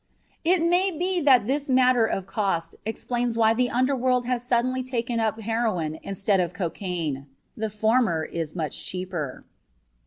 It may be that this matter of cost explains why the under world has suddenly taken up heroin instead of cocaine. The former is much cheaper.